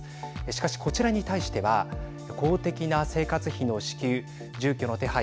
しかしこちらに対しては公的な生活費の支給住居の手配